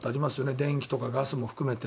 電気とかガスも含めて。